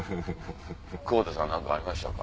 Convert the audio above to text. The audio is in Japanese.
久保田さん何かありましたか？